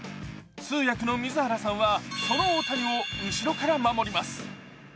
通訳の水原さんはこの大谷を後ろから守ります。